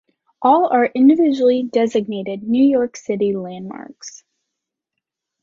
All are individually designated New York City landmarks.